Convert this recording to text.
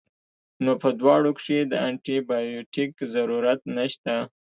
نو پۀ دواړو کښې د انټي بائيوټک ضرورت نشته